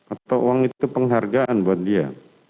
atau uang itu penghargaan buat dia